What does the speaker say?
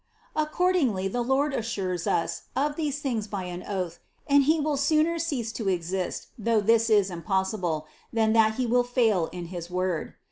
Accordingly the Lord assures us of these things by an oath, and He will sooner cease to exist, though this is impossible, than that He will fail in his word.